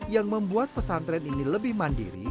yang membuat pesantren ini lebih mandiri